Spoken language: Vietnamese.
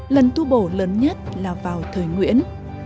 lần tu bổ lớn nhất là vào thời nguyễn